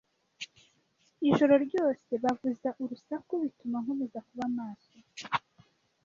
Ijoro ryose bavuza urusaku, bituma nkomeza kuba maso.